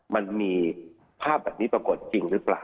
มันมีภาพแบบนี้ปรากฏจริงหรือเปล่า